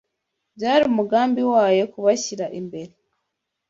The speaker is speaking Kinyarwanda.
byari umugambi wayo kubashyira imbere